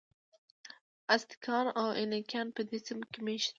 ازتکیان او اینکایان په دې سیمو کې مېشت وو.